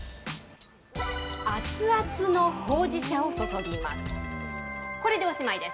熱々のほうじ茶を注ぎます。